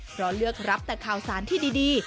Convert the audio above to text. เพราะเลือกรับแต่ข่าวสารที่ดี